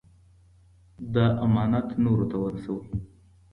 دا امانت نورو ته ورسوئ.